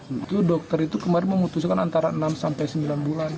itu dokter itu kemarin memutuskan antara enam sampai sembilan bulan